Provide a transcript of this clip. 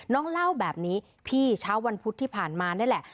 เล่าแบบนี้พี่เช้าวันพุธที่ผ่านมานี่แหละ